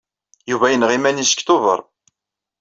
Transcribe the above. Yuba yenɣa iman-is deg Tubeṛ.